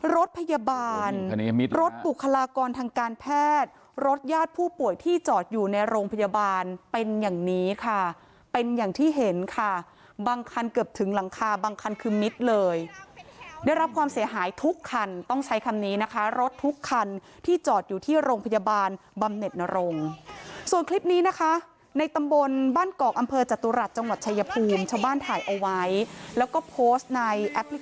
รถพยาบาลรถบุคลากรทางการแพทย์รถญาติผู้ป่วยที่จอดอยู่ในโรงพยาบาลเป็นอย่างนี้ค่ะเป็นอย่างที่เห็นค่ะบางคันเกือบถึงหลังคาบางคันคือมิดเลยได้รับความเสียหายทุกคันต้องใช้คำนี้นะคะรถทุกคันที่จอดอยู่ที่โรงพยาบาลบำเน็ตนรงค์ส่วนคลิปนี้นะคะในตำบลบ้านกอกอำเภอจตุรัสจังหวัดชายภูมิชาวบ้านถ่ายเอาไว้แล้วก็โพสต์ในแอปพลิ